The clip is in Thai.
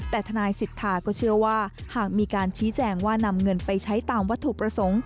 แต่ทนายสิทธาก็เชื่อว่าหากมีการชี้แจงว่านำเงินไปใช้ตามวัตถุประสงค์